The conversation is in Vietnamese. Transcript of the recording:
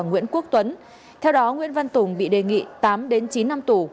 nguyễn quốc tuấn theo đó nguyễn văn tùng bị đề nghị tám chín năm tù